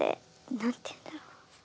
何ていうんだろう。